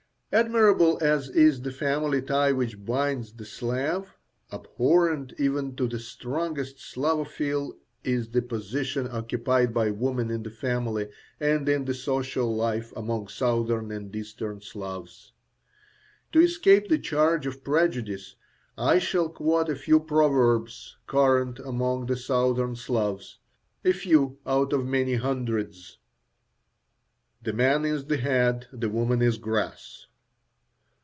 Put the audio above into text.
Admirable as is the family tie which binds the Slav, abhorrent even to the strongest "Slavophile" is the position occupied by woman in the family and in the social life among Southern and Eastern Slavs. To escape the charge of prejudice, I shall quote a few proverbs current among the Southern Slavs a few out of many hundreds: The man is the head, the woman is grass.